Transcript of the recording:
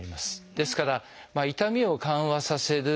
ですから痛みを緩和させる。